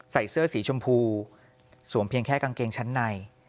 ใส่เสื้อสีชมพูสวมเพียงแค่กางเกงชั้นใน